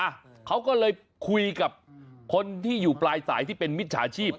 อ่ะเขาก็เลยคุยกับคนที่อยู่ปลายสายที่เป็นมิจฉาชีพ